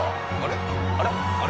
あれ？